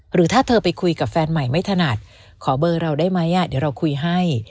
หรือถ้าเธอไปคุยกับแฟนใหม่ไม่ถนัดขอเบอร์เราได้ไหมเดี๋ยวเราคุยให้